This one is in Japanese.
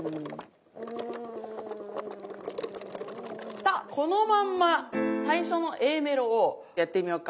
さこのまんま最初のＡメロをやってみようか。